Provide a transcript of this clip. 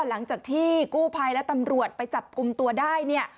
หลังจากที่กู้ภัยและตำรวจไปจับกลุ่มตัวได้เนี่ย